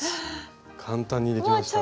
簡単にできました。